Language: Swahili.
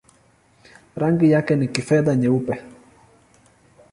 Rangi yake ni kifedha-nyeupe.